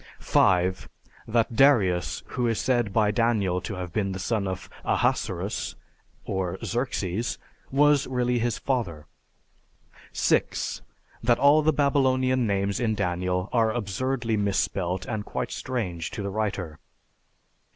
5. That Darius, who is said (XI, 1) by Daniel to have been the son of "Ahasuerus" (Xerxes), was really his father. 6. That all the Babylonian names in Daniel are absurdly misspelt and quite strange to the writer.